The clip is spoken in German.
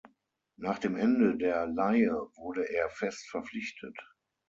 Nach dem Ende der Leihe wurde er fest verpflichtet.